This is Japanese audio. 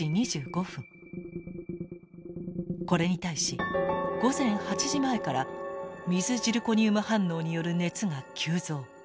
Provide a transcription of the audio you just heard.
これに対し午前８時前から水ジルコニウム反応による熱が急増。